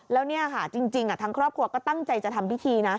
แล้วจริงทางครอบครัวก็ตั้งใจจะทำพิธี